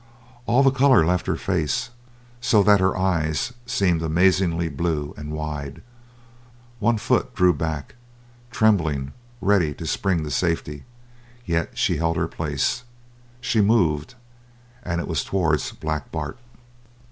All the colour left her face, so that her eyes seemed amazingly blue and wide. One foot drew back, tremblingly ready to spring to safety; yet she held her place. She moved and it was towards Black Bart.